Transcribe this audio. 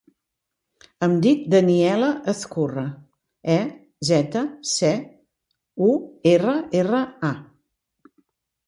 Em dic Daniela Ezcurra: e, zeta, ce, u, erra, erra, a.